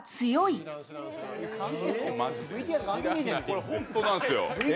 これ本当なんですよ。